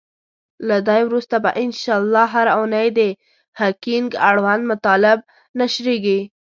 له دی وروسته به ان شاءالله هره اونۍ د هکینګ اړوند مطالب نشریږی.